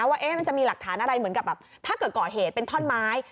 ว่ามันจะมีหลักฐานอะไรเหมือนกับแบบถ้าเกิดก่อเหตุเป็นท่อนไม้